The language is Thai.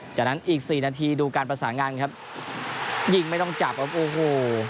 จากนั้นอีกสี่นาทีดูการประสานงานครับยิงไม่ต้องจับครับโอ้โห